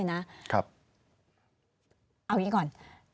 เอาอย่างนี้ก่อน